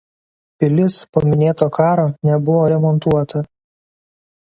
Pilis po minėto karo nebuvo remontuota.